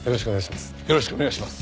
よろしくお願いします。